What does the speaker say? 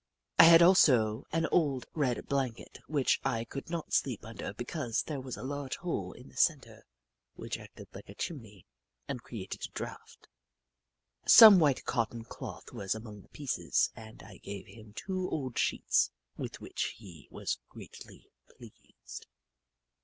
I had also an old red blanket which I could not sleep under because there was a large hole in the centre which acted like a chimney and created a draught. Some white cotton cloth was among the pieces, and I gave him two old sheets, with which he was greatly pleased.